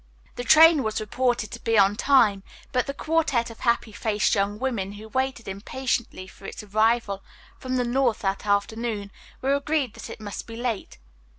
The train was reported to be on time, but the quartette of happy faced young women who waited impatiently for its arrival from the north that afternoon were agreed that it must be late.